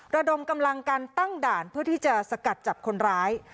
ระดมกำลังการตั้งด่านเพื่อที่จะสกัดจับคนร้าย